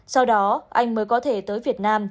sau đó anh mới có thể tới việt nam